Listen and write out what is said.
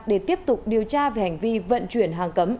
để tiếp tục điều tra về hành vi vận chuyển hàng cấm